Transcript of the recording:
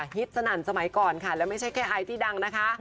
สนั่นสมัยก่อนค่ะแล้วไม่ใช่แค่ไอที่ดังนะคะ